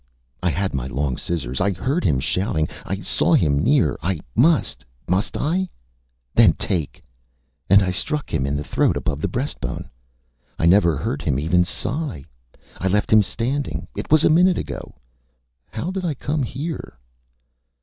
Â ... I had my long scissors. I heard him shouting ... I saw him near. ... I must must I? ... Then take! ... And I struck him in the throat above the breastbone. ... I never heard him even sigh. ... I left him standing. ... It was a minute ago. How did I come here?